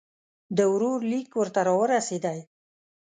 د ورور لیک ورته را ورسېدی.